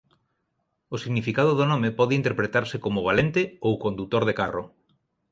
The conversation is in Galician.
O significado do nome pode interpretarse como "valente" ou "condutor de carro".